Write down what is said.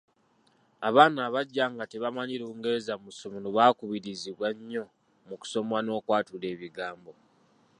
Abaana abajja nga tebamanyi Lungereza mu ssomero bakaluubiriza nnyo mu kusoma n'okwatula ebigambo.